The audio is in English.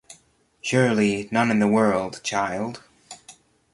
Surely, none in the world, child.